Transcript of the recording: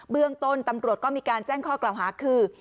เรื่องต้นตำรวจก็มีการแจ้งข้อกล่าวหาคือ